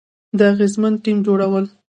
د اغیزمن ټیم جوړول،